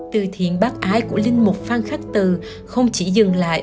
từ thiện bác ái của linh mục phan khắc từ không chỉ dừng lại